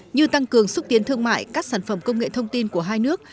như tăng cường xúc tiến thương mại các sản phẩm công nghệ thông tin của hai nước